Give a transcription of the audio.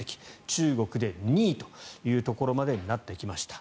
中国で２位というところまでになってきました。